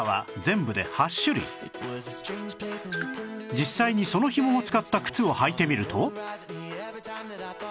実際にそのひもを使った靴を履いてみると